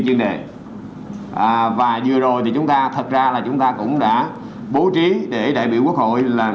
chuyên đề và vừa rồi thì chúng ta thật ra là chúng ta cũng đã bố trí để đại biểu quốc hội là